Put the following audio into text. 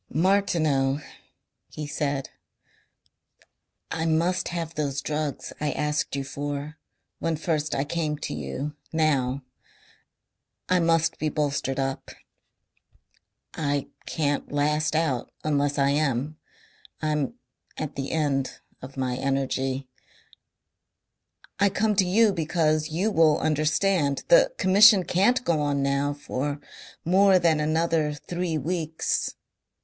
"Martineau," he said, "I must have those drugs I asked you for when first I came to you now. I must be bolstered up. I can't last out unless I am. I'm at the end of my energy. I come to you because you will understand. The Commission can't go on now for more than another three weeks.